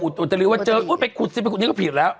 อุตรีว่าเจออุ๊ยไปขุดซิไปขุดนี้ก็ผิดแล้ว